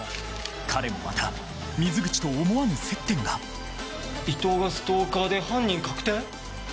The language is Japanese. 彼もまた水口と思わぬ接点が伊藤がストーカーで犯人確定？